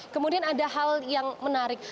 kemudian ada hal yang menarik